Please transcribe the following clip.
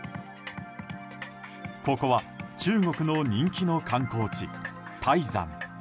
ここは中国の人気の観光地泰山。